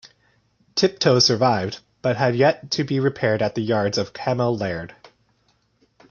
"Tiptoe" survived, but had to be repaired at the yards of Cammell Laird.